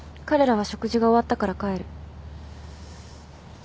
彼らは食事が終わったから帰る。